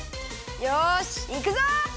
よしいくぞ！